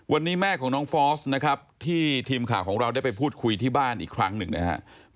วันนี้แม่ของน้องฟอสนะครับที่ทีมข่าวของเราได้ไปพูดคุยที่บ้านอีกครั้งหนึ่งนะครับ